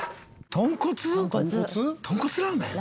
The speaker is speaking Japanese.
豚骨ラーメン？